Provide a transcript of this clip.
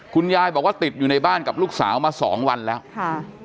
คุณยายบอกว่าติดอยู่ในบ้านกับลูกสาวมาสองวันแล้วค่ะ